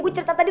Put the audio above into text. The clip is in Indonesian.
salah one dia